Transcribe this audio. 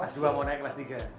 kelas dua mau naik kelas tiga